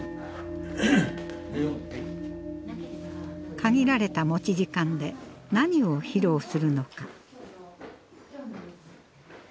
限られた持ち時間で何を披露するのか。